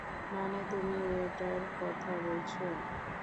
মানে তুমি ঐটার কথা বলছ?